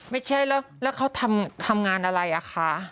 ไม่ใช่แล้วเขาทำงานอะไรอะคะ